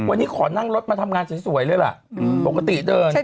วันนี้ขอนั่งรถมาทำงานสวยเลยล่ะปกติเดิน